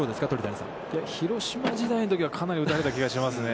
いや、広島時代のときにはかなり打たれた気がしますね。